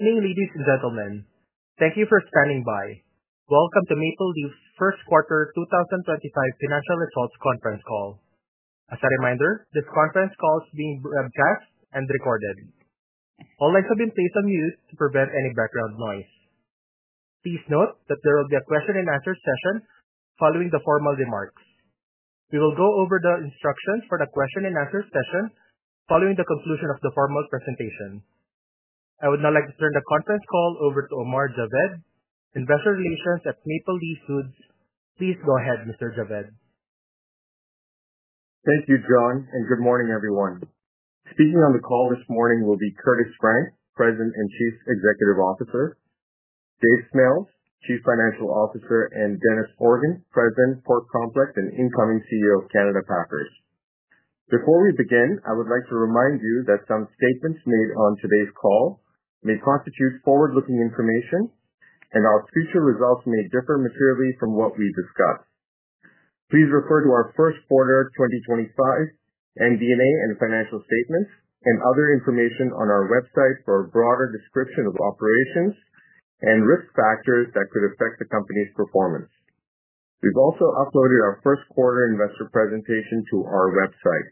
Hey ladies and gentlemen, thank you for standing by. Welcome to Maple Leaf Foods' first quarter 2025 financial cesults Conference call. As a reminder, this conference call is being broadcast and recorded. All lines have been placed on mute to prevent any background noise. Please note that there will be a question-and-answer session following the formal remarks. We will go over the instructions for the question-and-answer session following the conclusion of the formal presentation. I would now like to turn the conference call over to Omar Javed, Investor Relations at Maple Leaf Foods. Please go ahead, Mr. Javed. Thank you, John, and good morning, everyone. Speaking on the call this morning will be Curtis Frank, President and Chief Executive Officer; Dave Smales, Chief Financial Officer; and Dennis Organ, President, Pork Complex, and incoming CEO of Canada Packers. Before we begin, I would like to remind you that some statements made on today's call may constitute forward-looking information, and our future results may differ materially from what we discuss. Please refer to our First Quarter 2025 MD&A and financial statements and other information on our website for a broader description of operations and risk factors that could affect the company's performance. We've also uploaded our first quarter investor presentation to our website.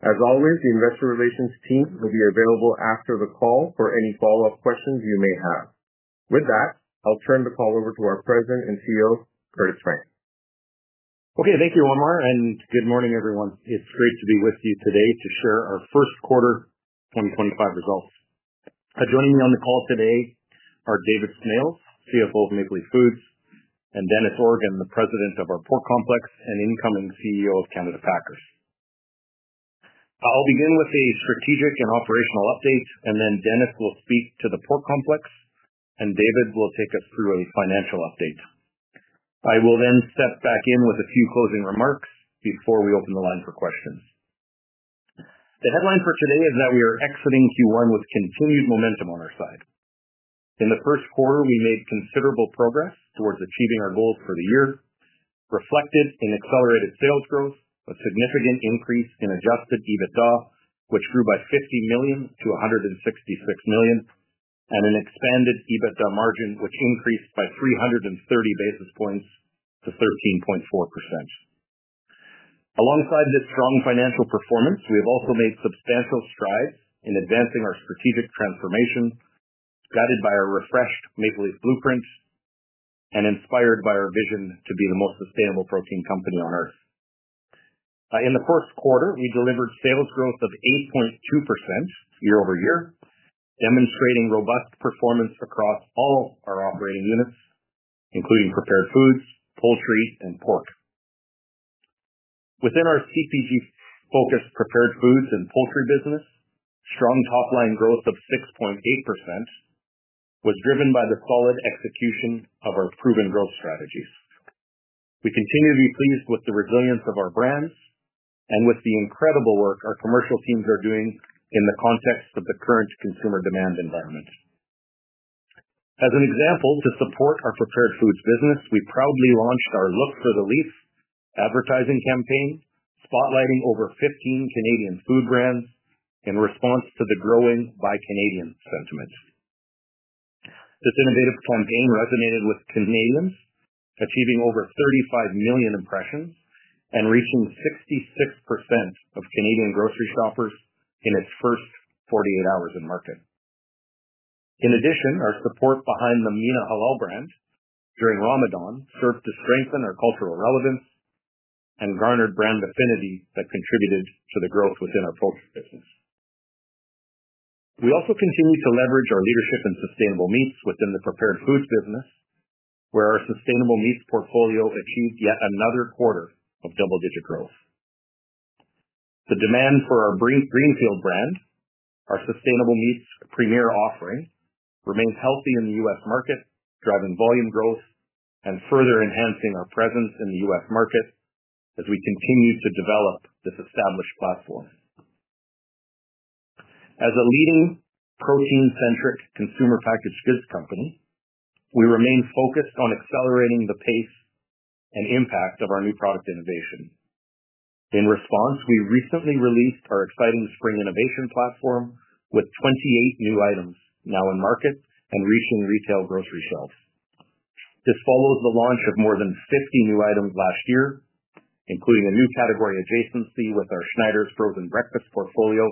As always, the investor relations team will be available after the call for any follow-up questions you may have. With that, I'll turn the call over to our President and CEO, Curtis Frank. Okay, thank you, Omar, and good morning, everyone. It's great to be with you today to share our first quarter 2025 results. Joining me on the call today are David Smales, CFO of Maple Leaf Foods, and Dennis Organ, the President of our Pork Complex and incoming CEO of Canada Packers. I'll begin with a strategic and operational update, and then Dennis will speak to the Pork Complex, and David will take us through a financial update. I will then step back in with a few closing remarks before we open the line for questions. The headline for today is that we are exiting Q1 with continued momentum on our side. In the first quarter, we made considerable progress towards achieving our goals for the year, reflected in accelerated sales growth, a significant increase in adjusted EBITDA, which grew by 50 million-166 million, and an expanded EBITDA margin, which increased by 330 basis points to 13.4%. Alongside this strong financial performance, we have also made substantial strides in advancing our strategic transformation, guided by our refreshed Maple Leaf Blueprint and inspired by our vision to be the most sustainable protein company on Earth. In the first quarter, we delivered sales growth of 8.2% year-over-year, demonstrating robust performance across all our operating units, including Prepared Foods, Poultry, and Pork. Within our CPG-focused Prepared Foods and Poultry business, strong top-line growth of 6.8% was driven by the solid execution of our proven growth strategies. We continue to be pleased with the resilience of our brands and with the incredible work our commercial teams are doing in the context of the current consumer demand environment. As an example, to support our prepared foods business, we proudly launched our Look for the Leaf advertising campaign, spotlighting over 15 Canadian food brands in response to the growing Buy Canadian sentiment. This innovative campaign resonated with Canadians, achieving over 35 million impressions and reaching 66% of Canadian grocery shoppers in its first 48 hours in market. In addition, our support behind the MENA Halal brand during Ramadan served to strengthen our cultural relevance and garnered brand affinity that contributed to the growth within our poultry business. We also continue to leverage our leadership in sustainable meats within the prepared foods business, where our sustainable meats portfolio achieved yet another quarter of double-digit growth. The demand for our Greenfield brand, our sustainable meats' premier offering, remains healthy in the U.S. market, driving volume growth and further enhancing our presence in the U.S. market as we continue to develop this established platform. As a leading protein-centric consumer packaged goods company, we remain focused on accelerating the pace and impact of our new product innovation. In response, we recently released our exciting Spring Innovation platform with 28 new items now in market and reaching retail grocery shelves. This follows the launch of more than 50 new items last year, including a new category adjacency with our Schneiders frozen breakfast portfolio,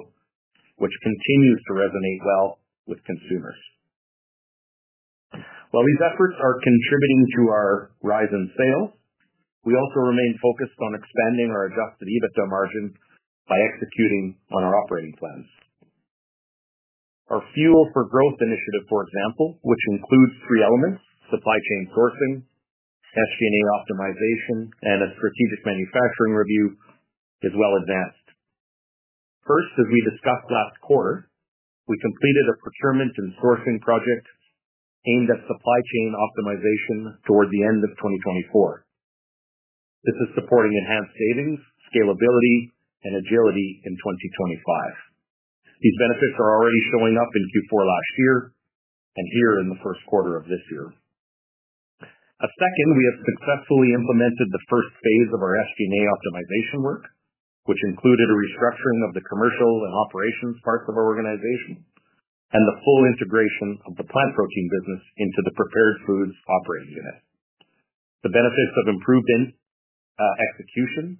which continues to resonate well with consumers. While these efforts are contributing to our rise in sales, we also remain focused on expanding our adjusted EBITDA margin by executing on our operating plans. Our Fuel for Growth initiative, for example, which includes three elements: supply chain sourcing, SG&A optimization, and a strategic manufacturing review, is well advanced. First, as we discussed last quarter, we completed a procurement and sourcing project aimed at supply chain optimization toward the end of 2024. This is supporting enhanced savings, scalability, and agility in 2025. These benefits are already showing up in Q4 last year and here in the first quarter of this year. Second, we have successfully implemented the first phase of our SG&A optimization work, which included a restructuring of the commercial and operations parts of our organization and the full integration of the plant protein business into the prepared foods operating unit. The benefits of improved execution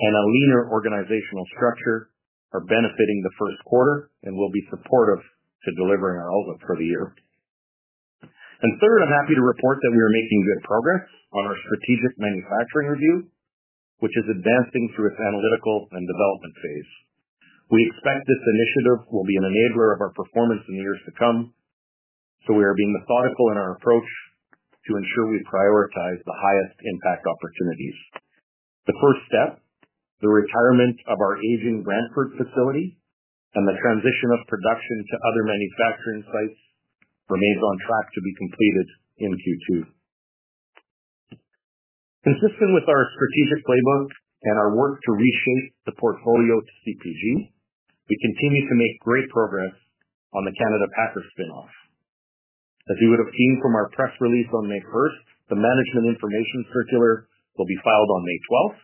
and a leaner organizational structure are benefiting the first quarter and will be supportive to delivering our outlook for the year. Third, I'm happy to report that we are making good progress on our strategic manufacturing review, which is advancing through its analytical and development phase. We expect this initiative will be an enabler of our performance in the years to come, so we are being methodical in our approach to ensure we prioritize the highest impact opportunities. The first step, the retirement of our aging Brantford facility and the transition of production to other manufacturing sites, remains on track to be completed in Q2. Consistent with our strategic playbook and our work to reshape the portfolio to CPG, we continue to make great progress on the Canada Packers spinoff. As you would have seen from our press release on May 1st, the management information circular will be filed on May 12th,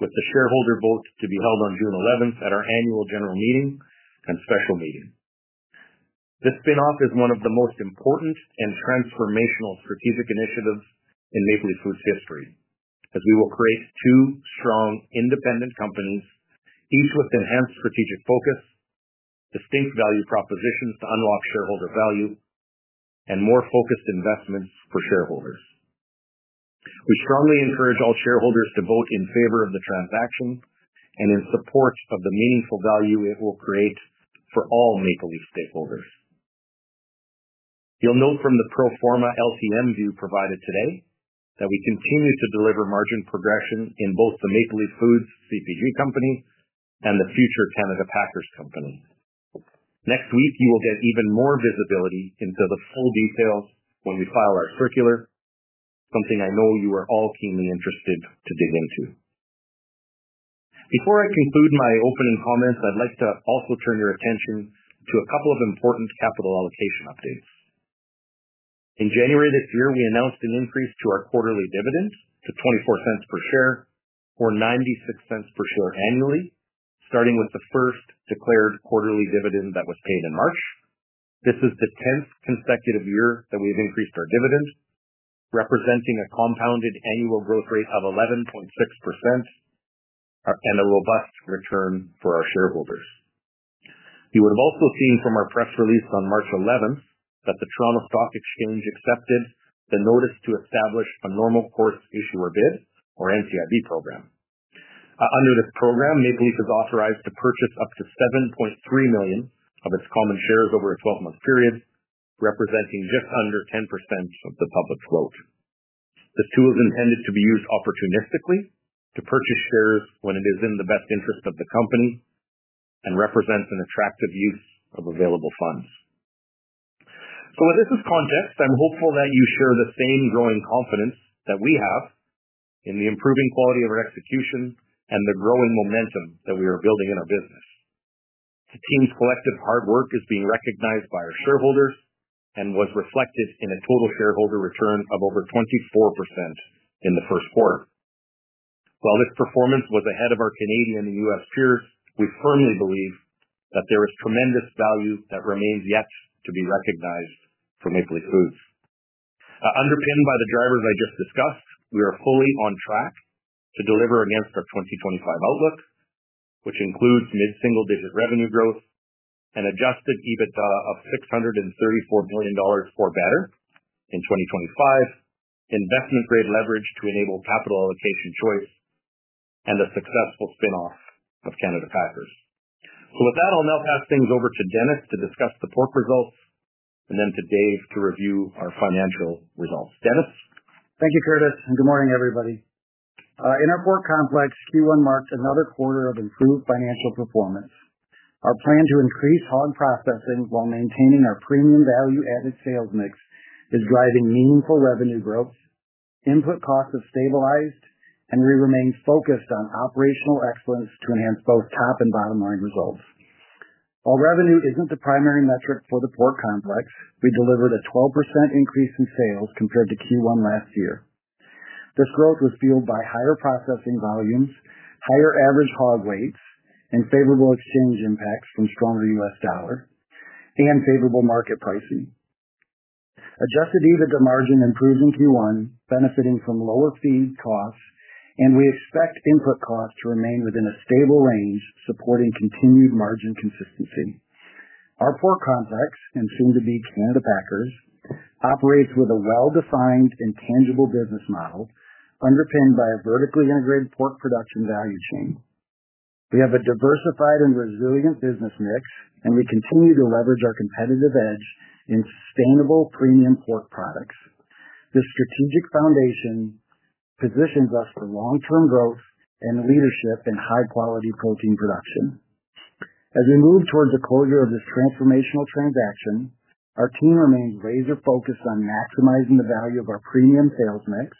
with the shareholder vote to be held on June 11th at our annual general meeting and special meeting. This spinoff is one of the most important and transformational strategic initiatives in Maple Leaf Foods' history, as we will create two strong independent companies, each with enhanced strategic focus, distinct value propositions to unlock shareholder value, and more focused investments for shareholders. We strongly encourage all shareholders to vote in favor of the transaction and in support of the meaningful value it will create for all Maple Leaf stakeholders. You'll note from the Pro Forma LTM view provided today that we continue to deliver margin progression in both the Maple Leaf Foods CPG company and the future Canada Packers company. Next week, you will get even more visibility into the full details when we file our circular, something I know you are all keenly interested to dig into. Before I conclude my opening comments, I'd like to also turn your attention to a couple of important capital allocation updates. In January this year, we announced an increase to our quarterly dividend to 0.24 per share or 0.96 per share annually, starting with the first declared quarterly dividend that was paid in March. This is the 10th consecutive year that we have increased our dividend, representing a compounded annual growth rate of 11.6% and a robust return for our shareholders. You would have also seen from our press release on March 11th that the Toronto Stock Exchange accepted the notice to establish a normal course issuer bid, or NCIB, program. Under this program, Maple Leaf Foods is authorized to purchase up to 7.3 million of its common shares over a 12-month period, representing just under 10% of the public's vote. This tool is intended to be used opportunistically to purchase shares when it is in the best interest of the company and represents an attractive use of available funds. With this as context, I'm hopeful that you share the same growing confidence that we have in the improving quality of our execution and the growing momentum that we are building in our business. The team's collective hard work is being recognized by our shareholders and was reflected in a total shareholder return of over 24% in the first quarter. While this performance was ahead of our Canadian and U.S. peers, we firmly believe that there is tremendous value that remains yet to be recognized for Maple Leaf Foods. Underpinned by the drivers I just discussed, we are fully on track to deliver against our 2025 outlook, which includes mid-single-digit revenue growth, an adjusted EBITDA of 634 million dollars or better in 2025, investment-grade leverage to enable capital allocation choice, and a successful spinoff of Canada Packers. With that, I'll now pass things over to Dennis to discuss the pork results and then to Dave to review our financial results. Dennis. Thank you, Curtis. Good morning, everybody. In our Pork complex, Q1 marked another quarter of improved financial performance. Our plan to increase hog processing while maintaining our premium value-added sales mix is driving meaningful revenue growth, input costs have stabilized, and we remain focused on operational excellence to enhance both top and bottom line results. While revenue is not the primary metric for the Pork complex, we delivered a 12% increase in sales compared to Q1 last year. This growth was fueled by higher processing volumes, higher average hog weights, and favorable exchange impacts from a stronger U.S. dollar and favorable market pricing. Adjusted EBITDA margin improved in Q1, benefiting from lower feed costs, and we expect input costs to remain within a stable range, supporting continued margin consistency. Our Pork Complex, and soon to be Canada Packers, operates with a well-defined and tangible business model, underpinned by a vertically integrated pork production value chain. We have a diversified and resilient business mix, and we continue to leverage our competitive edge in sustainable premium pork products. This strategic foundation positions us for long-term growth and leadership in high-quality protein production. As we move towards the closure of this transformational transaction, our team remains laser-focused on maximizing the value of our premium sales mix,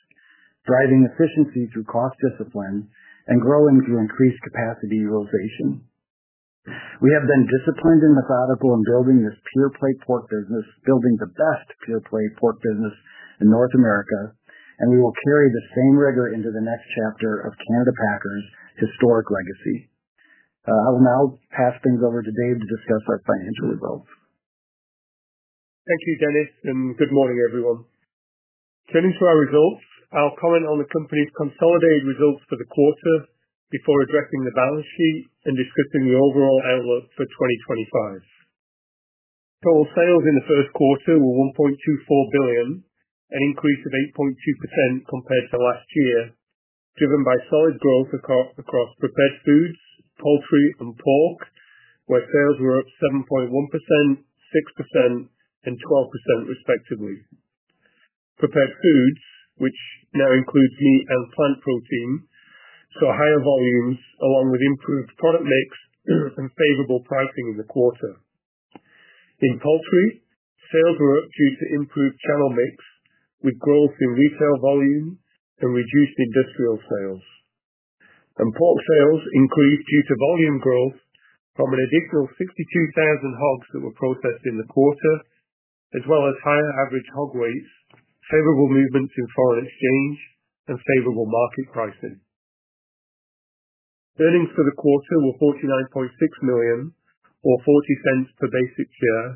driving efficiency through cost discipline, and growing through increased capacity utilization. We have been disciplined and methodical in building this pure-play pork business, building the best pure-play pork business in North America, and we will carry the same rigor into the next chapter of Canada Packers' historic legacy. I will now pass things over to Dave to discuss our financial results. Thank you, Dennis, and good morning, everyone. Turning to our results, I'll comment on the company's consolidated results for the quarter before addressing the balance sheet and discussing the overall outlook for 2025. Total sales in the first quarter were 1.24 billion, an increase of 8.2% compared to last year, driven by solid growth across prepared foods, poultry, and pork, where sales were up 7.1%, 6%, and 12%, respectively. Prepared foods, which now includes meat and plant protein, saw higher volumes along with improved product mix and favorable pricing in the quarter. In poultry, sales were up due to improved channel mix, with growth in retail volume and reduced industrial sales. Pork sales increased due to volume growth from an additional 62,000 hogs that were processed in the quarter, as well as higher average hog weights, favorable movements in foreign exchange, and favorable market pricing. Earnings for the quarter were 49.6 million, or 0.40 per basic share,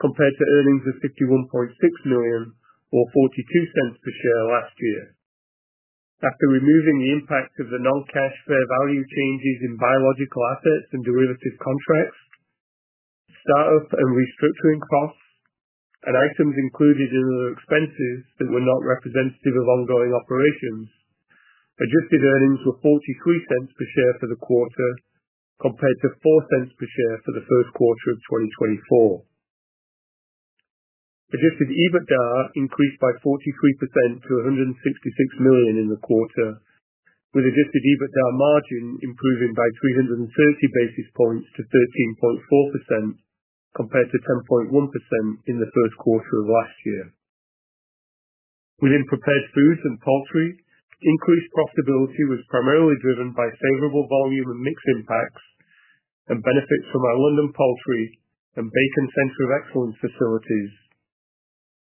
compared to earnings of 51.6 million, or 0.42 per share, last year. After removing the impact of the non-cash fair value changes in biological assets and derivative contracts, startup and restructuring costs, and items included in other expenses that were not representative of ongoing operations, adjusted earnings were 0.43 per share for the quarter, compared to 0.04 per share for the first quarter of 2024. Adjusted EBITDA increased by 43% to 166 million in the quarter, with adjusted EBITDA margin improving by 330 basis points to 13.4%, compared to 10.1% in the first quarter of last year. Within Prepared Foods and Poultry, increased profitability was primarily driven by favorable volume and mix impacts and benefits from our London Poultry and Bacon Center of Excellence facilities.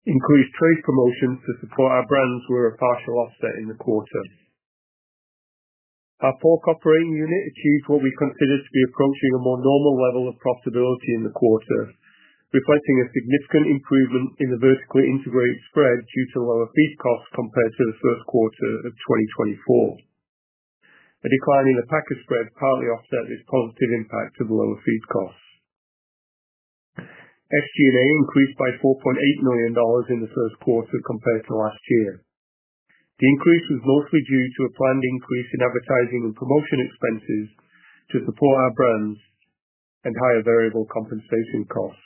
Increased trade promotions to support our brands were a partial offset in the quarter. Our pork operating unit achieved what we considered to be approaching a more normal level of profitability in the quarter, reflecting a significant improvement in the vertically integrated spread due to lower feed costs compared to the first quarter of 2024. A decline in the packer spread partly offset this positive impact of lower feed costs. SG&A increased by 4.8 million dollars in the first quarter compared to last year. The increase was mostly due to a planned increase in advertising and promotion expenses to support our brands and higher variable compensation costs.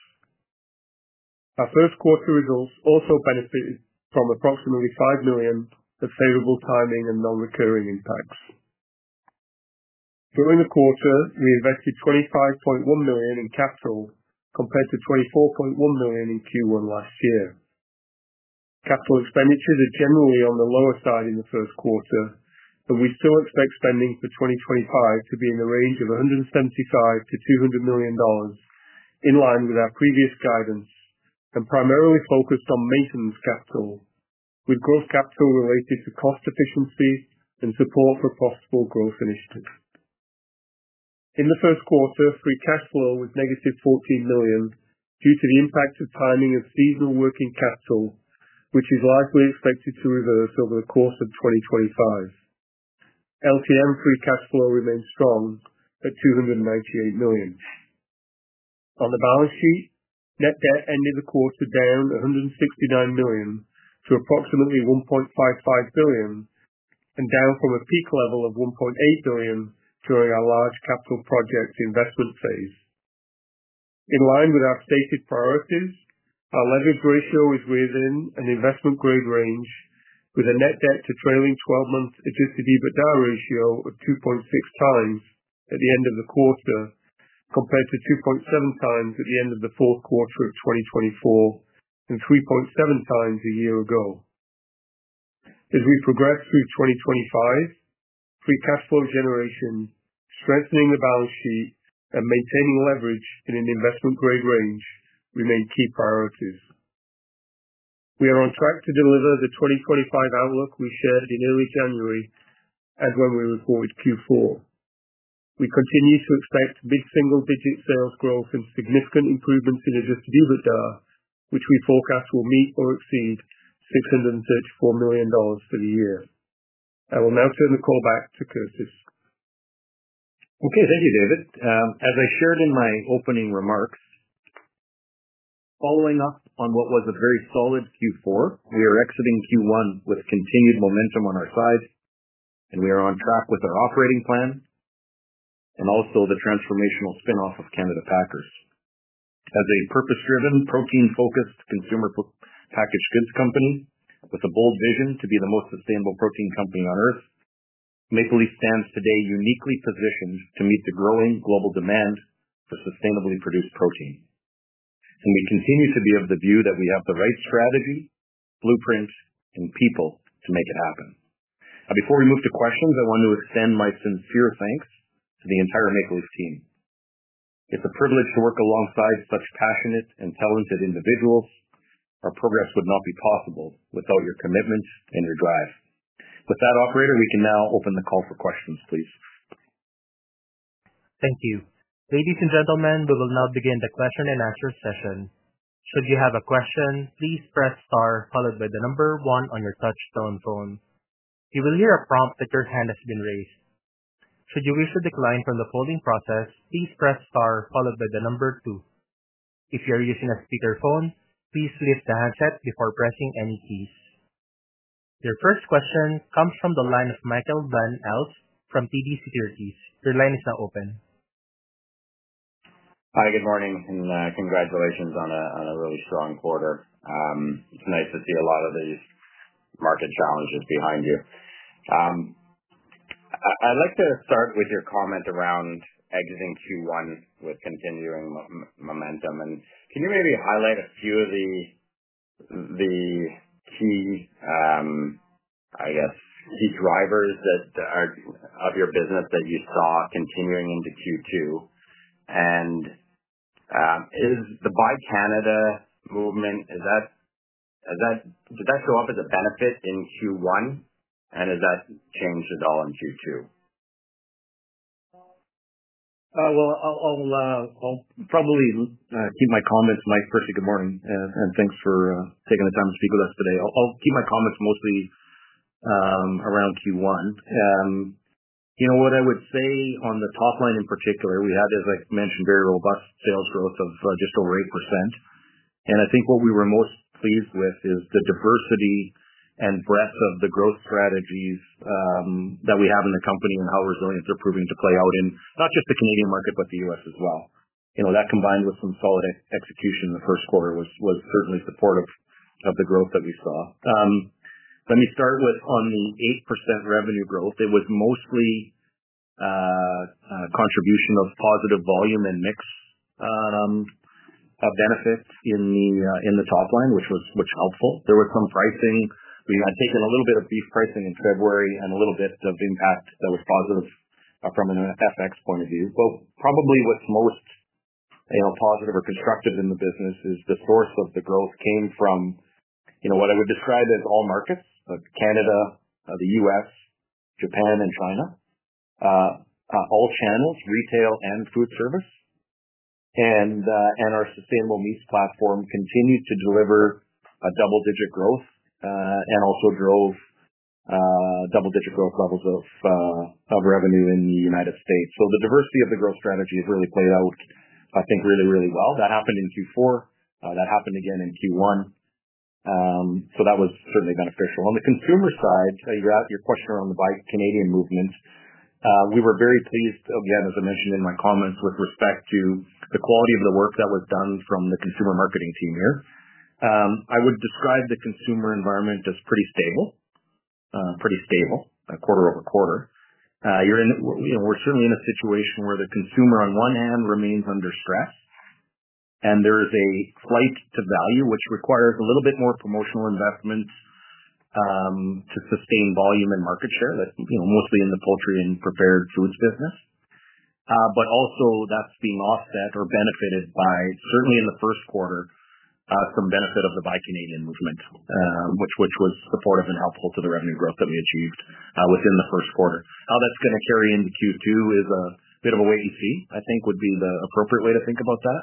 Our first quarter results also benefited from approximately 5 million of favorable timing and non-recurring impacts. During the quarter, we invested 25.1 million in capital compared to 24.1 million in Q1 last year. Capital expenditures are generally on the lower side in the first quarter, and we still expect spending for 2025 to be in the range of 175 million-200 million dollars, in line with our previous guidance, and primarily focused on maintenance capital, with growth capital related to cost efficiency and support for profitable growth initiatives. In the first quarter, free cash flow was -14 million due to the impact of timing of seasonal working capital, which is likely expected to reverse over the course of 2025. LTM free cash flow remained strong at 298 million. On the balance sheet, net debt ended the quarter down 169 million to approximately 1.55 billion, and down from a peak level of 1.8 billion during our large capital project investment phase. In line with our stated priorities, our leverage ratio is within an investment-grade range, with a net debt to trailing 12-month adjusted EBITDA ratio of 2.6x at the end of the quarter, compared to 2.7x at the end of the fourth quarter of 2024 and 3.7x a year ago. As we progress through 2025, free cash flow generation, strengthening the balance sheet, and maintaining leverage in an investment-grade range remain key priorities. We are on track to deliver the 2025 outlook we shared in early January and when we reported Q4. We continue to expect mid-single-digit sales growth and significant improvements in adjusted EBITDA, which we forecast will meet or exceed 634 million dollars for the year. I will now turn the call back to Curtis. Okay. Thank you, David. As I shared in my opening remarks, following up on what was a very solid Q4, we are exiting Q1 with continued momentum on our side, and we are on track with our operating plan and also the transformational spinoff of Canada Packers. As a purpose-driven, protein-focused consumer packaged goods company with a bold vision to be the most sustainable protein company on Earth, Maple Leaf stands today uniquely positioned to meet the growing global demand for sustainably produced protein. We continue to be of the view that we have the right strategy, blueprint, and people to make it happen. Now, before we move to questions, I want to extend my sincere thanks to the entire Maple Leaf team. It is a privilege to work alongside such passionate and talented individuals. Our progress would not be possible without your commitment and your drive. With that, Operator, we can now open the call for questions, please. Thank you. Ladies and gentlemen, we will now begin the question-and-answer session. Should you have a question, please press star, followed by the number one on your touch-tone phone. You will hear a prompt that your hand has been raised. Should you wish to decline from the polling process, please press star, followed by the number two. If you are using a speakerphone, please lift the handset before pressing any keys. Your first question comes from the line of Michael Van Aelst from TD Securities. Your line is now open. Hi, good morning, and congratulations on a really strong quarter. It's nice to see a lot of these market challenges behind you. I'd like to start with your comment around exiting Q1 with continuing momentum. Can you maybe highlight a few of the key, I guess, key drivers of your business that you saw continuing into Q2? Is the Buy Canada movement, does that show up as a benefit in Q1, and has that changed at all in Q2? I will probably keep my comments, Mike, Curtis, good morning, and thanks for taking the time to speak with us today. I will keep my comments mostly around Q1. You know what I would say on the top line in particular, we had, as I mentioned, very robust sales growth of just over 8%. I think what we were most pleased with is the diversity and breadth of the growth strategies that we have in the company and how resilient they are proving to play out in not just the Canadian market, but the U.S. as well. That combined with some solid execution in the first quarter was certainly supportive of the growth that we saw. Let me start with the 8% revenue growth. It was mostly contribution of positive volume and mix benefits in the top line, which was helpful. There was some pricing. We had taken a little bit of beef pricing in February and a little bit of impact that was positive from an FX point of view. Probably what is most positive or constructive in the business is the source of the growth came from what I would describe as all markets: Canada, the U.S., Japan, and China, all channels, retail and food service. Our sustainable meats platform continued to deliver double-digit growth and also drove double-digit growth levels of revenue in the United States. The diversity of the growth strategy has really played out, I think, really, really well. That happened in Q4. That happened again in Q1. That was certainly beneficial. On the consumer side, your question around the Buy Canadian movement, we were very pleased, again, as I mentioned in my comments, with respect to the quality of the work that was done from the consumer marketing team here. I would describe the consumer environment as pretty stable, pretty stable, quarter-over-quarter. We're certainly in a situation where the consumer, on one hand, remains under stress, and there is a flight to value, which requires a little bit more promotional investments to sustain volume and market share, mostly in the poultry and prepared foods business. Also, that's being offset or benefited by, certainly in the first quarter, some benefit of the Buy Canadian movement, which was supportive and helpful to the revenue growth that we achieved within the first quarter. How that's going to carry into Q2 is a bit of a wait and see, I think, would be the appropriate way to think about that,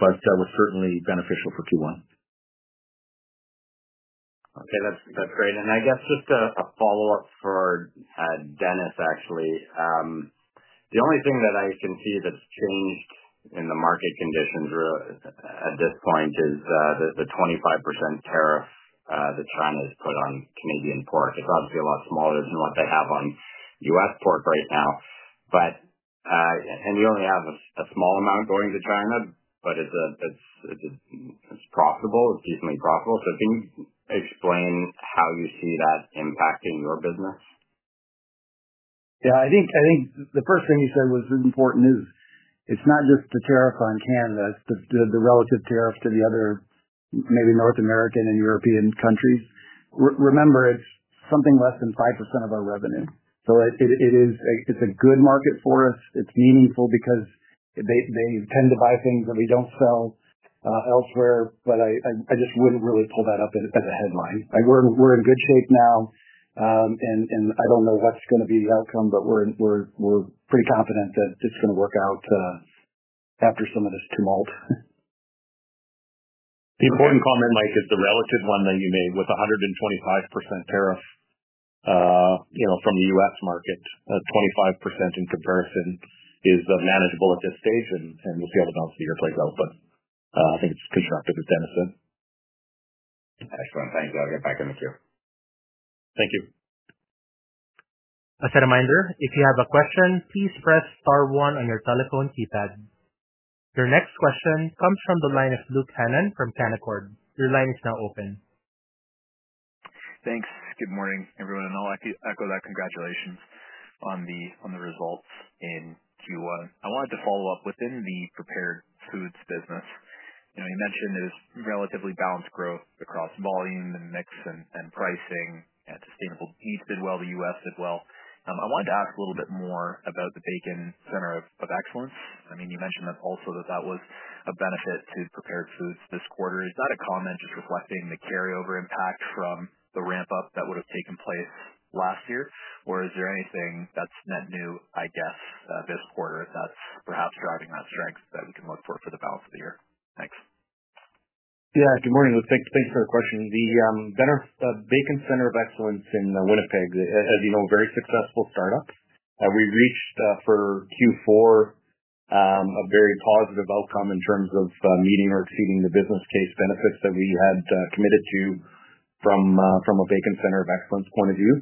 but was certainly beneficial for Q1. Okay. That's great. I guess just a follow-up for Dennis, actually. The only thing that I can see that's changed in the market conditions at this point is the 25% tariff that China has put on Canadian pork. It's obviously a lot smaller than what they have on U.S. pork right now. You only have a small amount going to China, but it's profitable. It's decently profitable. Can you explain how you see that impacting your business? Yeah. I think the first thing you said was important is it's not just the tariff on Canada. It's the relative tariff to the other maybe North American and European countries. Remember, it's something less than 5% of our revenue. So it's a good market for us. It's meaningful because they tend to buy things that we don't sell elsewhere, but I just wouldn't really pull that up as a headline. We're in good shape now, and I don't know what's going to be the outcome, but we're pretty confident that it's going to work out after some of this tumult. The important comment, Mike, is the relative one that you made with the 125% tariff from the U.S. market, 25% in comparison, is manageable at this stage, and we'll see how the balance of the year plays out. I think it's constructive, as Dennis said. Excellent. Thanks. I'll get back in with you. Thank you. As a reminder, if you have a question, please press star one on your telephone keypad. Your next question comes from the line of Luke Hannan from Canaccord. Your line is now open. Thanks. Good morning, everyone. I'll echo that. Congratulations on the results in Q1. I wanted to follow up within the prepared foods business. You mentioned there's relatively balanced growth across volume and mix and pricing, and sustainable meats did well, the U.S. did well. I wanted to ask a little bit more about the Bacon Center of Excellence. I mean, you mentioned also that that was a benefit to prepared foods this quarter. Is that a comment just reflecting the carryover impact from the ramp-up that would have taken place last year? Is there anything that's net new, I guess, this quarter that's perhaps driving that strength that we can look for for the balance of the year? Thanks. Yeah. Good morning. Thanks for the question. The Bacon Center of Excellence in Winnipeg, as you know, very successful startup. We reached for Q4 a very positive outcome in terms of meeting or exceeding the business case benefits that we had committed to from a Bacon Center of Excellence point of view.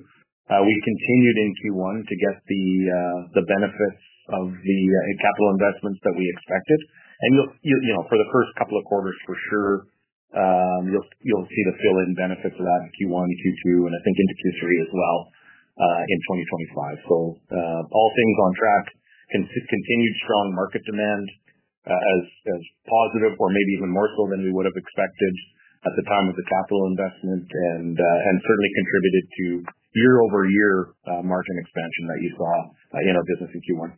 We continued in Q1 to get the benefits of the capital investments that we expected. And for the first couple of quarters, for sure, you'll see the fill-in benefits of that in Q1, Q2, and I think into Q3 as well in 2025. All things on track, continued strong market demand as positive or maybe even more so than we would have expected at the time of the capital investment, and certainly contributed to year-over-year margin expansion that you saw in our business in Q1.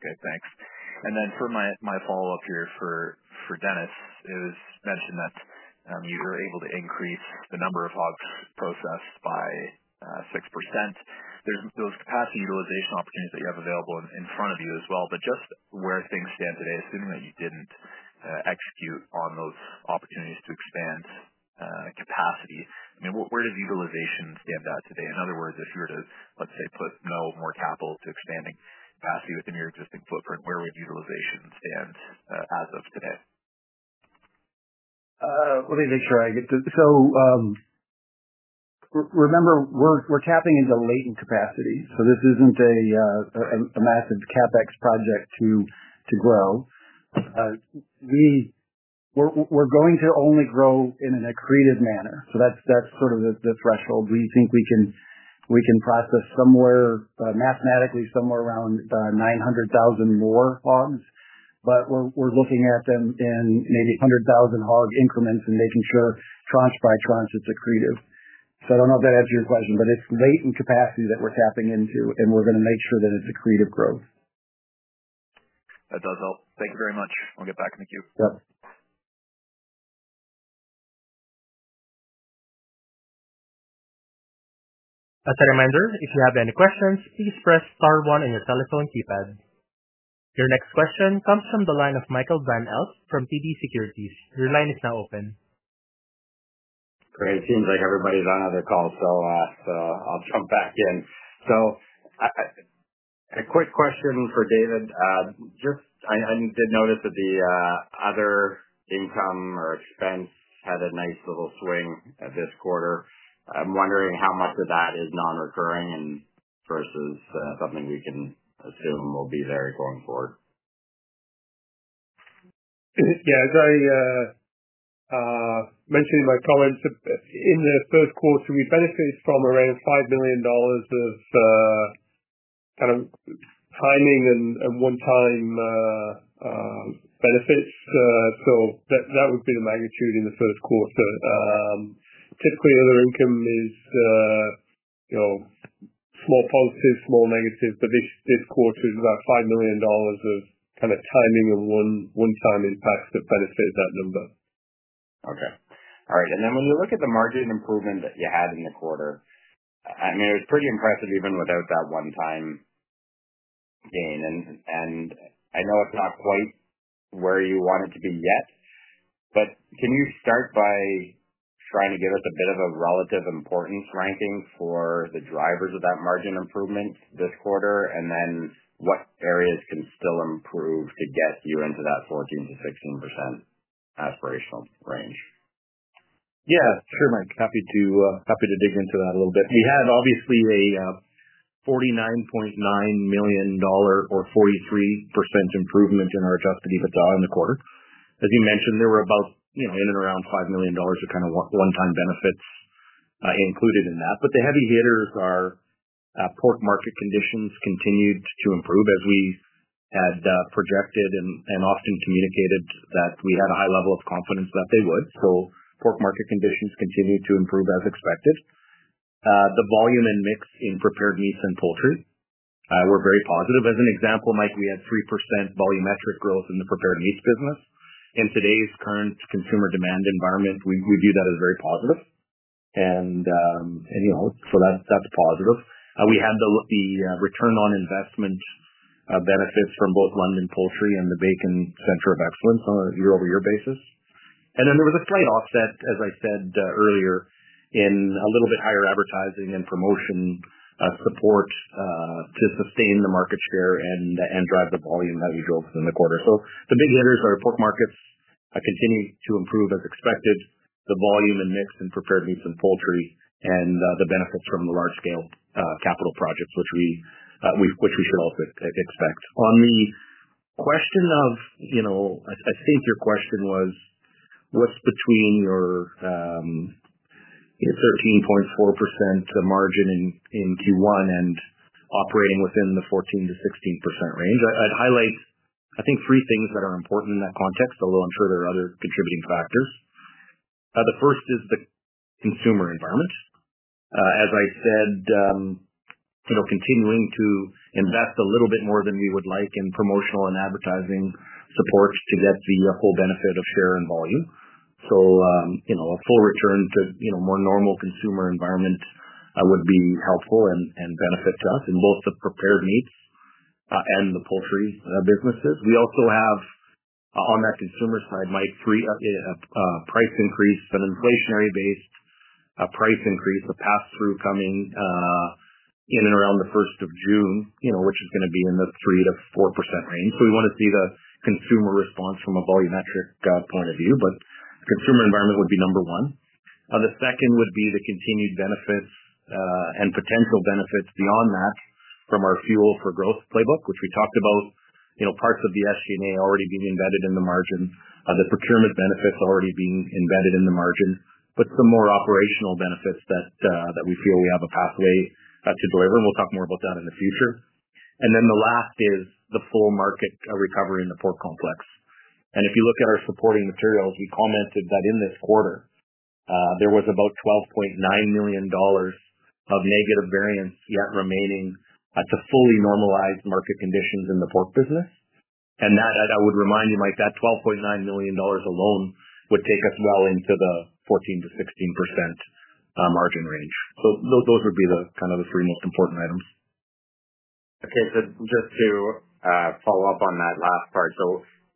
Okay. Thanks. For my follow-up here for Dennis, it was mentioned that you were able to increase the number of hogs processed by 6%. There are those capacity utilization opportunities that you have available in front of you as well. Just where things stand today, assuming that you did not execute on those opportunities to expand capacity, I mean, where does utilization stand today? In other words, if you were to, let's say, put no more capital to expanding capacity within your existing footprint, where would utilization stand as of today? Let me make sure I get this. Remember, we're tapping into latent capacity. This isn't a massive CapEx project to grow. We're going to only grow in an accretive manner. That is sort of the threshold. We think we can process somewhere mathematically somewhere around 900,000 more hogs. We're looking at them in maybe 100,000 hog increments and making sure tranche by tranche it is accretive. I do not know if that answers your question, but it is latent capacity that we're tapping into, and we're going to make sure that it is accretive growth. That does help. Thank you very much. We'll get back in the queue. Yep. As a reminder, if you have any questions, please press star one on your telephone keypad. Your next question comes from the line of Michael Van Aelst from TD Securities. Your line is now open. Great. Seems like everybody's on other calls, so I'll jump back in. A quick question for David. I did notice that the other income or expense had a nice little swing this quarter. I'm wondering how much of that is non-recurring versus something we can assume will be there going forward. Yeah. As I mentioned in my comments, in the first quarter, we benefited from around $5 million of kind of timing and one-time benefits. That would be the magnitude in the first quarter. Typically, other income is small positive, small negative. This quarter, it was about $5 million of kind of timing and one-time impacts that benefited that number. Okay. All right. When you look at the margin improvement that you had in the quarter, I mean, it was pretty impressive even without that one-time gain. I know it's not quite where you want it to be yet, but can you start by trying to give us a bit of a relative importance ranking for the drivers of that margin improvement this quarter? What areas can still improve to get you into that 14%-16% aspirational range? Yeah. Sure, Mike. Happy to dig into that a little bit. We had obviously a 49.9 million dollar or 43% improvement in our adjusted EBITDA in the quarter. As you mentioned, there were about in and around 5 million dollars of kind of one-time benefits included in that. The heavy hitters are pork market conditions continued to improve as we had projected and often communicated that we had a high level of confidence that they would. Pork market conditions continued to improve as expected. The volume and mix in prepared meats and poultry were very positive. As an example, Mike, we had 3% volumetric growth in the prepared meats business. In today's current consumer demand environment, we view that as very positive. That is positive. We had the return on investment benefits from both London Poultry and the Bacon Center of Excellence on a year-over-year basis. There was a slight offset, as I said earlier, in a little bit higher advertising and promotion support to sustain the market share and drive the volume that we drove within the quarter. The big hitters are pork markets continued to improve as expected, the volume and mix in prepared meats and poultry, and the benefits from the large-scale capital projects, which we should also expect. On the question of, I think your question was, what's between your 13.4% margin in Q1 and operating within the 14%-16% range? I'd highlight, I think, three things that are important in that context, although I'm sure there are other contributing factors. The first is the consumer environment. As I said, continuing to invest a little bit more than we would like in promotional and advertising support to get the full benefit of share and volume. A full return to a more normal consumer environment would be helpful and a benefit to us in both the prepared meats and the poultry businesses. We also have, on that consumer side, Mike, three price increases, an inflationary-based price increase, a pass-through coming in and around the 1st of June, which is going to be in the 3%-4% range. We want to see the consumer response from a volumetric point of view. The consumer environment would be number one. The second would be the continued benefits and potential benefits beyond that from our fuel for growth playbook, which we talked about, parts of the SG&A already being embedded in the margin, the procurement benefits already being embedded in the margin, but some more operational benefits that we feel we have a pathway to deliver. We will talk more about that in the future. The last is the full market recovery in the pork complex. If you look at our supporting materials, we commented that in this quarter, there was about 12.9 million dollars of negative variance yet remaining to fully normalize market conditions in the pork business. I would remind you, Mike, that 12.9 million dollars alone would take us well into the 14%-16% margin range. Those would be the three most important items. Okay. Just to follow up on that last part,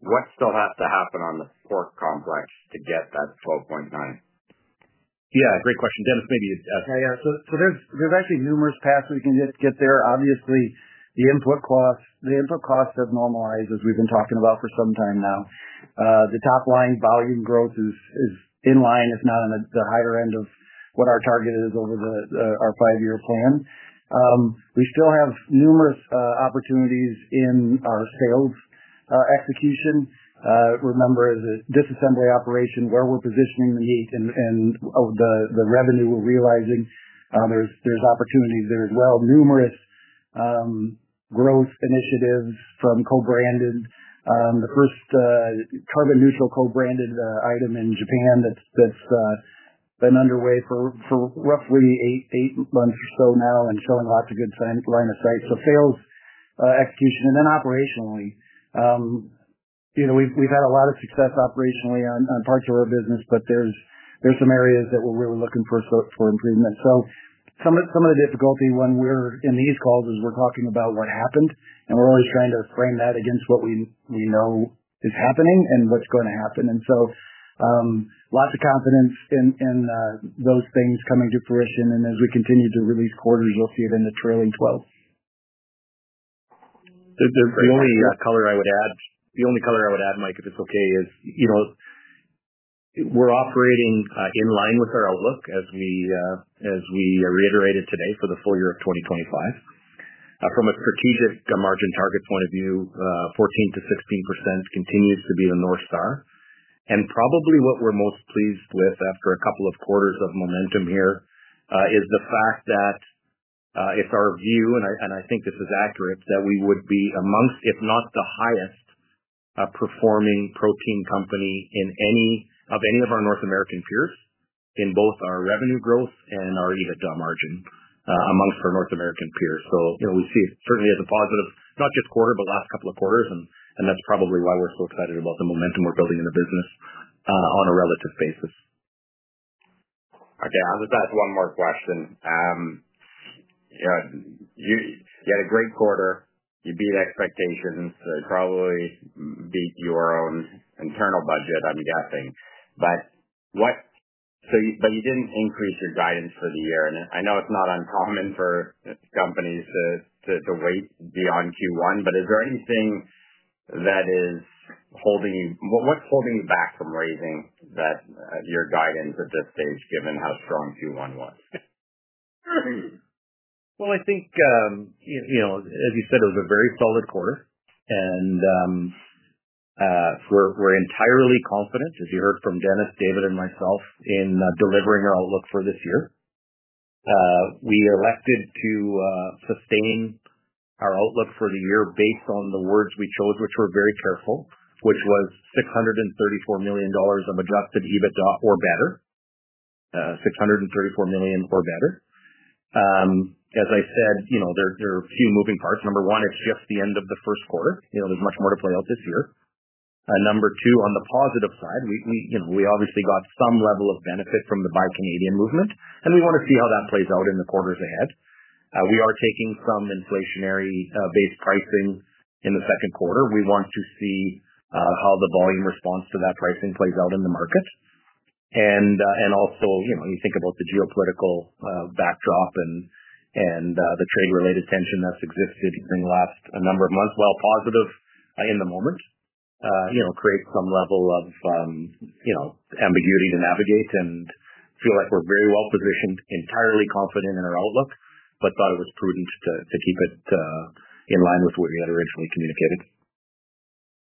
what still has to happen on the pork complex to get thatCAD 12.9 million? Yeah. Great question. Dennis, maybe. Yeah. So there's actually numerous paths we can get there. Obviously, the input costs have normalized, as we've been talking about for some time now. The top-line volume growth is in line, if not on the higher end of what our target is over our five-year plan. We still have numerous opportunities in our sales execution. Remember, as a disassembly operation, where we're positioning the meat and the revenue we're realizing, there's opportunities there as well. Numerous growth initiatives from co-branded. The first carbon-neutral co-branded item in Japan that's been underway for roughly eight months or so now and showing lots of good line of sight. Sales execution. And then operationally, we've had a lot of success operationally on parts of our business, but there's some areas that we're really looking for improvement. Some of the difficulty when we're in these calls is we're talking about what happened, and we're always trying to frame that against what we know is happening and what's going to happen. Lots of confidence in those things coming to fruition. As we continue to release quarters, you'll see it in the trailing 12. The only color I would add, Mike, if it's okay, is we're operating in line with our outlook, as we reiterated today for the full year of 2025. From a strategic margin target point of view, 14-16% continues to be the North Star. Probably what we're most pleased with after a couple of quarters of momentum here is the fact that it's our view, and I think this is accurate, that we would be amongst, if not the highest-performing protein company of any of our North American peers in both our revenue growth and our EBITDA margin amongst our North American peers. We see it certainly as a positive, not just quarter, but last couple of quarters. That's probably why we're so excited about the momentum we're building in the business on a relative basis. Okay. I'll just ask one more question. You had a great quarter. You beat expectations. You probably beat your own internal budget, I'm guessing. You did not increase your guidance for the year. I know it is not uncommon for companies to wait beyond Q1, but is there anything that is holding you? What is holding you back from raising your guidance at this stage, given how strong Q1 was? I think, as you said, it was a very solid quarter. We are entirely confident, as you heard from Dennis, David, and myself, in delivering our outlook for this year. We elected to sustain our outlook for the year based on the words we chose, which were very careful, which was 634 million dollars of adjusted EBITDA or better, 634 million or better. As I said, there are a few moving parts. Number one, it is just the end of the first quarter. There is much more to play out this year. Number two, on the positive side, we obviously got some level of benefit from the Buy Canadian movement, and we want to see how that plays out in the quarters ahead. We are taking some inflationary-based pricing in the second quarter. We want to see how the volume response to that pricing plays out in the market. You think about the geopolitical backdrop and the trade-related tension that's existed in the last number of months. While positive in the moment, it creates some level of ambiguity to navigate and I feel like we're very well positioned, entirely confident in our outlook, but thought it was prudent to keep it in line with what we had originally communicated.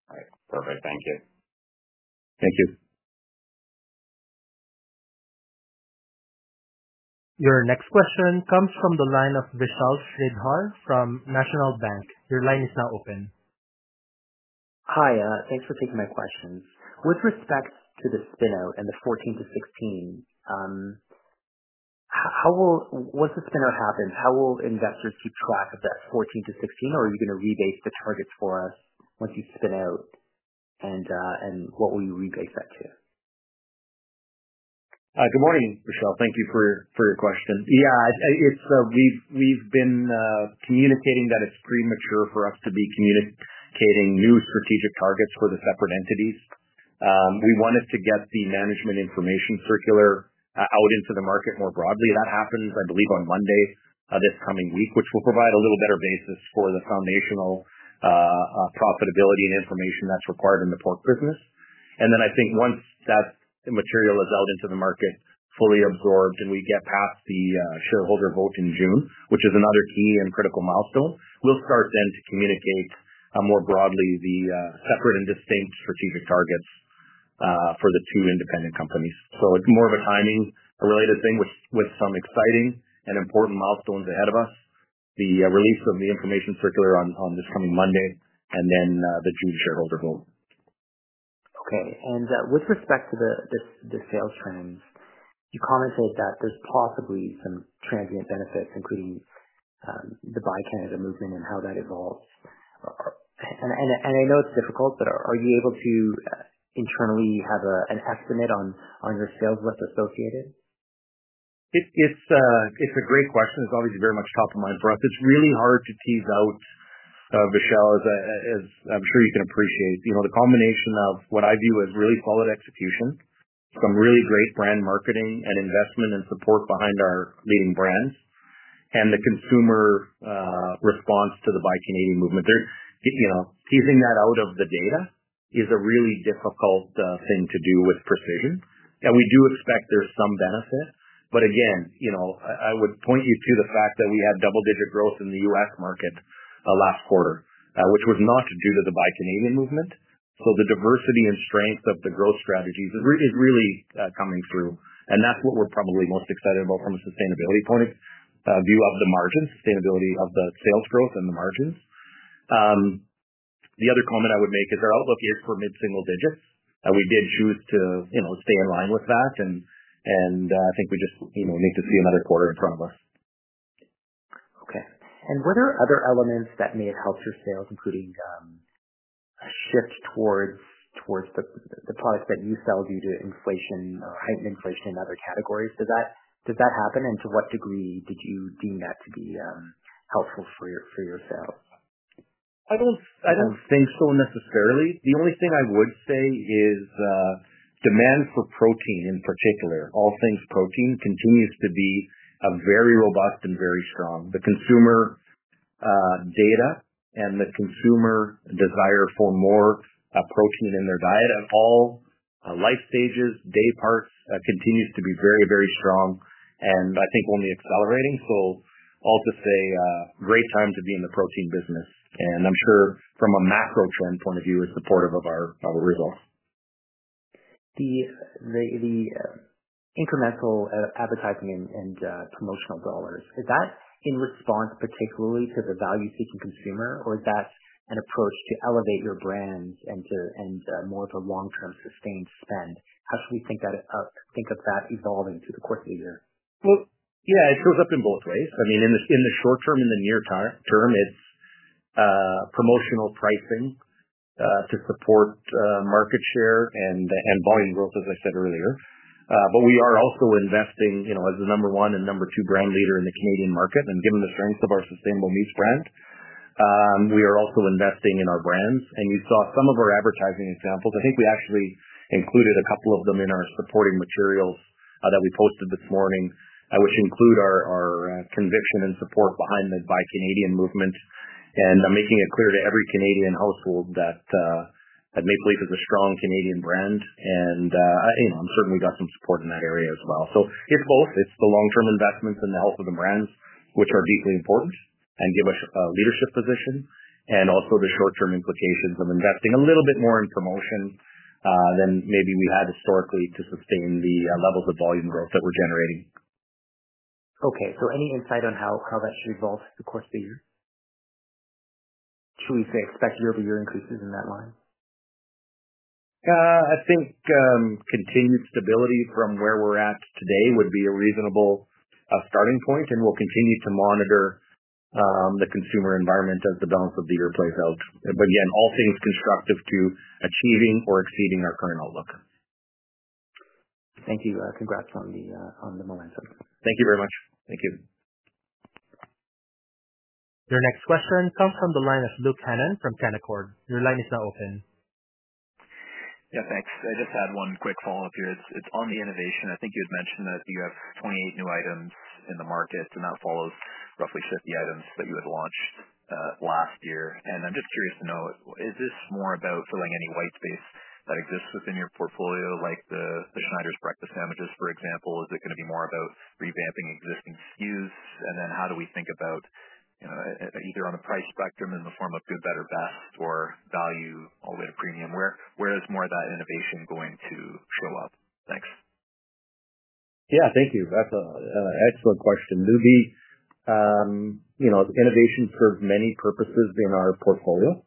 All right. Perfect. Thank you. Thank you. Your next question comes from the line of Vishal Shreedhar from National Bank. Your line is now open. Hi. Thanks for taking my questions. With respect to the spin-out and the 14-16, once the spin-out happens, how will investors keep track of that 14-16, or are you going to rebase the targets for us once you spin out, and what will you rebase that to? Good morning, Vishal. Thank you for your question. Yeah. We've been communicating that it's premature for us to be communicating new strategic targets for the separate entities. We wanted to get the management information circular out into the market more broadly. That happens, I believe, on Monday this coming week, which will provide a little better basis for the foundational profitability and information that's required in the pork business. I think once that material is out into the market, fully absorbed, and we get past the shareholder vote in June, which is another key and critical milestone, we'll start then to communicate more broadly the separate and distinct strategic targets for the two independent companies. It's more of a timing-related thing with some exciting and important milestones ahead of us, the release of the information circular on this coming Monday, and then the June shareholder vote. Okay. With respect to the sales trends, you commented that there's possibly some transient benefits, including the Buy Canada movement and how that evolves. I know it's difficult, but are you able to internally have an estimate on your sales list associated? It's a great question. It's obviously very much top of mind for us. It's really hard to tease out, Vishal, as I'm sure you can appreciate, the combination of what I view as really solid execution, some really great brand marketing and investment and support behind our leading brands, and the consumer response to the Buy Canadian movement. Teasing that out of the data is a really difficult thing to do with precision. We do expect there's some benefit. I would point you to the fact that we had double-digit growth in the U.S. market last quarter, which was not due to the Buy Canadian movement. The diversity and strength of the growth strategies is really coming through. That's what we're probably most excited about from a sustainability point of view of the margins, sustainability of the sales growth and the margins. The other comment I would make is our outlook is for mid-single digits. We did choose to stay in line with that, and I think we just need to see another quarter in front of us. Okay. Were there other elements that may have helped your sales, including a shift towards the products that you sell due to inflation or heightened inflation in other categories? Does that happen? To what degree did you deem that to be helpful for your sales? I don't think so necessarily. The only thing I would say is demand for protein, in particular, all things protein, continues to be very robust and very strong. The consumer data and the consumer desire for more protein in their diet at all life stages, day parts, continues to be very, very strong and I think only accelerating. I'll just say great time to be in the protein business. I'm sure from a macro trend point of view, it's supportive of our results. The incremental advertising and promotional dollars, is that in response particularly to the value-seeking consumer, or is that an approach to elevate your brand and more of a long-term sustained spend? How should we think of that evolving through the course of the year? Yeah, it shows up in both ways. I mean, in the short term and the near term, it's promotional pricing to support market share and volume growth, as I said earlier. We are also investing as the number one and number two brand leader in the Canadian market. Given the strength of our sustainable meats brand, we are also investing in our brands. You saw some of our advertising examples. I think we actually included a couple of them in our supporting materials that we posted this morning, which include our conviction and support behind the Buy Canadian movement. I'm making it clear to every Canadian household that Maple Leaf is a strong Canadian brand. I'm certain we got some support in that area as well. It's both. It's the long-term investments and the health of the brands, which are deeply important and give us a leadership position, and also the short-term implications of investing a little bit more in promotion than maybe we had historically to sustain the levels of volume growth that we're generating. Okay. So any insight on how that should evolve through the course of the year? Should we expect year-over-year increases in that line? I think continued stability from where we're at today would be a reasonable starting point. We will continue to monitor the consumer environment as the balance of the year plays out. Again, all things constructive to achieving or exceeding our current outlook. Thank you. Congrats on the momentum. Thank you very much. Thank you. Your next question comes from the line of Luke Hannan from Canaccord. Your line is now open. Yeah. Thanks. I just had one quick follow-up here. It's on the innovation. I think you had mentioned that you have 28 new items in the market, and that follows roughly 50 items that you had launched last year. I'm just curious to know, is this more about filling any white space that exists within your portfolio, like the Schneider's breakfast sandwiches, for example? Is it going to be more about revamping existing SKUs? How do we think about either on the price spectrum in the form of good, better, best, or value all the way to premium? Where is more of that innovation going to show up? Thanks. Yeah. Thank you. That's an excellent question. There'll be innovation for many purposes in our portfolio.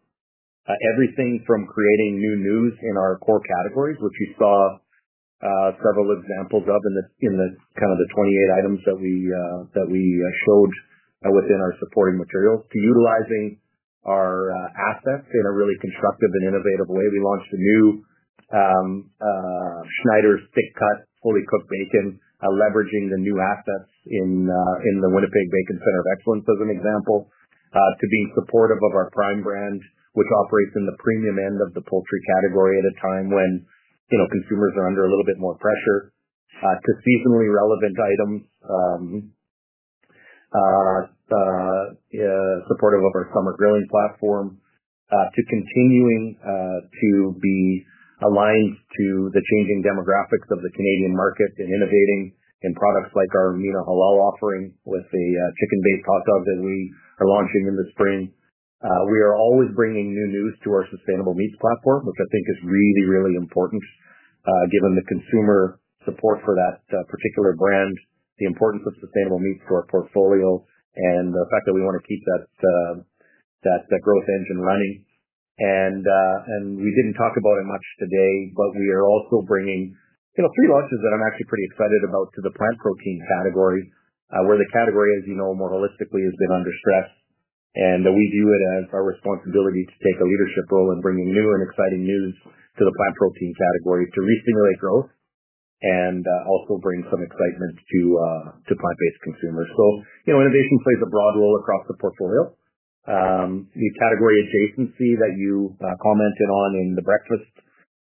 Everything from creating new news in our core categories, which you saw several examples of in kind of the 28 items that we showed within our supporting materials, to utilizing our assets in a really constructive and innovative way. We launched a new Schneiders thick-cut, fully cooked bacon, leveraging the new assets in the Winnipeg Bacon Center of Excellence, as an example, to being supportive of our prime brand, which operates in the premium end of the poultry category at a time when consumers are under a little bit more pressure, to seasonally relevant items, supportive of our summer grilling platform, to continuing to be aligned to the changing demographics of the Canadian market and innovating in products like our Mina Halal offering with a chicken-based hot dog that we are launching in the spring. We are always bringing new news to our sustainable meats platform, which I think is really, really important given the consumer support for that particular brand, the importance of sustainable meats to our portfolio, and the fact that we want to keep that growth engine running. We did not talk about it much today, but we are also bringing three launches that I am actually pretty excited about to the plant protein category, where the category, as you know, more holistically has been under stress. We view it as our responsibility to take a leadership role in bringing new and exciting news to the plant protein category to restimulate growth and also bring some excitement to plant-based consumers. Innovation plays a broad role across the portfolio. The category adjacency that you commented on in the breakfast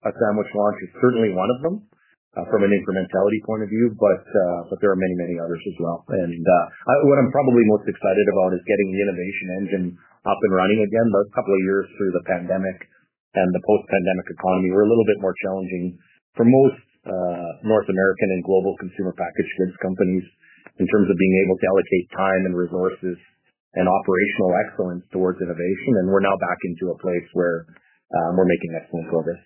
sandwich launch is certainly one of them from an incrementality point of view, but there are many, many others as well. What I am probably most excited about is getting the innovation engine up and running again. A couple of years through the pandemic and the post-pandemic economy were a little bit more challenging for most North American and global consumer packaged goods companies in terms of being able to allocate time and resources and operational excellence towards innovation. We are now back into a place where we are making excellent progress.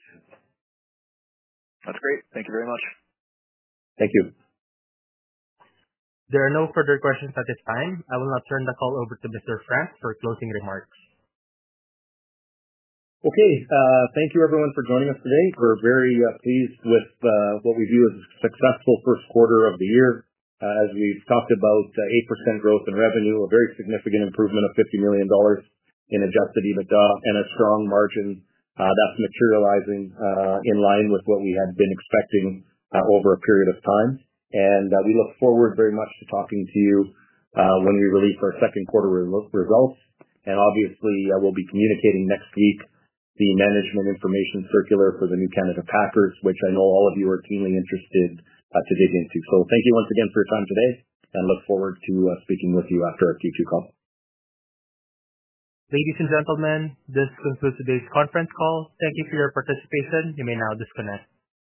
That's great. Thank you very much. Thank you. There are no further questions at this time. I will now turn the call over to Mr. Frank for closing remarks. Okay. Thank you, everyone, for joining us today. We're very pleased with what we view as a successful first quarter of the year. As we've talked about, 8% growth in revenue, a very significant improvement of $50 million in adjusted EBITDA, and a strong margin that's materializing in line with what we had been expecting over a period of time. We look forward very much to talking to you when we release our second quarter results. Obviously, we'll be communicating next week the management information circular for the New Canada Packers, which I know all of you are keenly interested to dig into. Thank you once again for your time today, and look forward to speaking with you after our Q2 call. Ladies and gentlemen, this concludes today's conference call. Thank you for your participation. You may now disconnect.